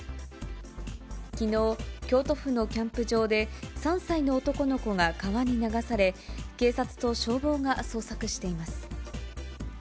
きのう、京都府のキャンプ場で、３歳の男の子が川に流され、警察と消防が捜索しています。